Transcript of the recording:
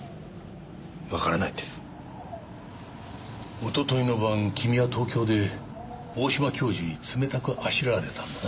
おとといの晩君は東京で大島教授に冷たくあしらわれたんだな？